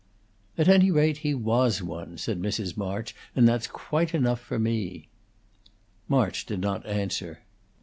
"At any rate, he was one," said Mrs. March, "and that's quite enough for me." March did not answer.